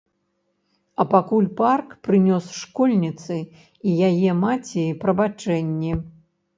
А пакуль парк прынёс школьніцы і яе маці прабачэнні.